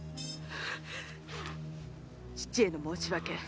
父への申し訳。